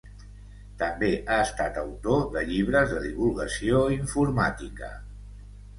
També ha estat autor de llibres de divulgació informàtica.